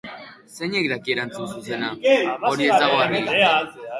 zeinek daki erantzun zuzena? hori ez dago argi